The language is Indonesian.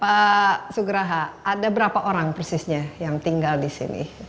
pak sugraha ada berapa orang persisnya yang tinggal di sini